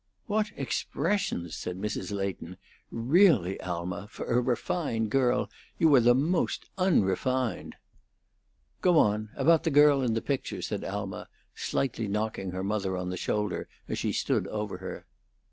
"What expressions!" said Mrs. Leighton. "Really, Alma, for a refined girl you are the most unrefined!" "Go on about the girl in the picture!" said Alma, slightly knocking her mother on the shoulder, as she stood over her.